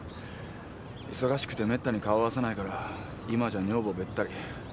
忙しくてめったに顔合わせないから今じゃ女房べったり。